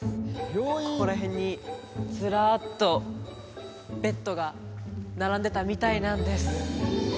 ここら辺にズラーッとベッドが並んでたみたいなんです